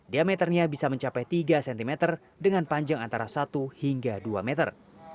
diameternya bisa mencapai tiga cm dengan panjang antara satu hingga dua meter